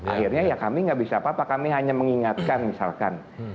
akhirnya ya kami nggak bisa apa apa kami hanya mengingatkan misalkan